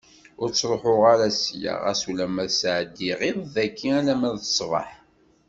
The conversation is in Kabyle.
Ur ttruḥuɣ ara ssya, ɣas ulamma ad sɛeddiɣ iḍ dagi, alamma d ṣṣbeḥ.